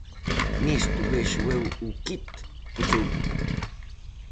Nisto vexo eu o "quid" do seu libro.